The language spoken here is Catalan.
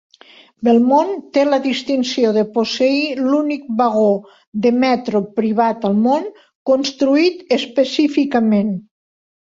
Belmont té la distinció de posseir l'únic vagó de metro privat al món, construït específicament.